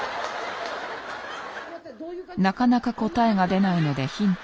なかなか答えが出ないのでヒント。